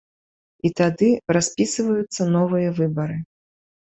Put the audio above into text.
І тады распісываюцца новыя выбары.